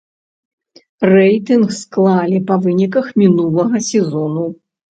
Рэйтынг склалі па выніках мінулага сезону.